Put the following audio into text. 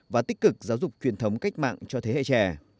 và tích cực giáo dục truyền thống cách mạng cho thế hệ trẻ